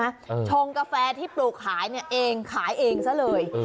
ชงกาแฟที่ปลูกขายเนี่ยเองขายเองซะเลย